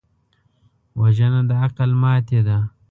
وژنه د عقل ماتې ده